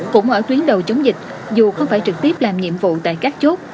cũng ở tuyến đầu chống dịch dù không phải trực tiếp làm nhiệm vụ tại các chốt